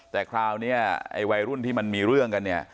แต่คราวนี้ไอ้วัยรุ่นที่มันมีเรื่องกันเนี่ย